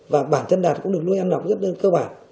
và bản thân đạt cũng được nuôi ăn học rất đơn cơ bản